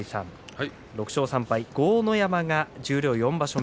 ６勝３敗、豪ノ山が十両４場所目。